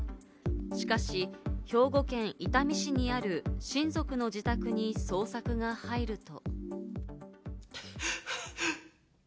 しかし、兵庫県伊丹市にある親族の自宅に捜索が入ると。